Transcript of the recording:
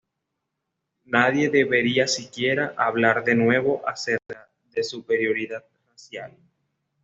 Nadie debería siquiera hablar de nuevo acerca de superioridad racial...